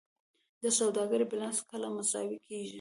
د سوداګرۍ بیلانس کله مساوي کیږي؟